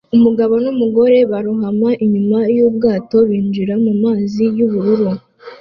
Umugabo n'umugore barohama inyuma yubwato binjira mumazi yubururu